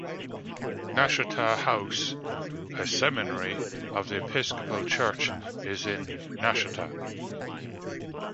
Nashotah House, a seminary of The Episcopal Church, is in Nashotah.